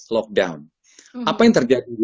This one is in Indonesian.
lockdown apa yang terjadi